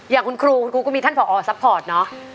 อย่างคุณครูคุณครูก็มีท่านผอซัพพอร์ตเนอะ